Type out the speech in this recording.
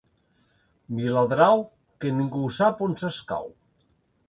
Viladrau, que ningú sap on s'escau.